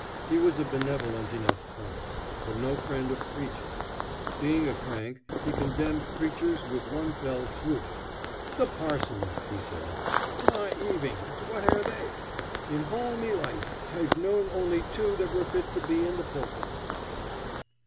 He was a benevolent enough crank, but no friend of preaching. Being a crank, he condemned preachers with one fell swoop: "The parsons!" he said; "my 'evings, what hare they? In hall me life hi've known only two that were fit to be in the pulpit."